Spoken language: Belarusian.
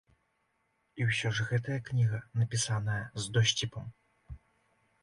І ўсё ж гэтая кніга напісаная з досціпам.